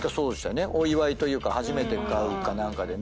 お祝いというか初めて買うか何かでね。